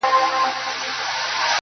شکرباسي په قانع وي او خندیږي -